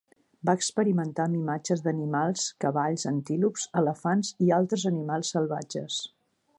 Va experimentar amb imatges d'animals -cavalls, antílops, elefants i altres animals salvatges.